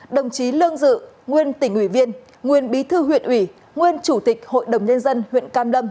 đồng chí lương dự nguyên tỉnh ủy viên nguyên bí thư huyện ủy nguyên chủ tịch hội đồng nhân dân huyện cam lâm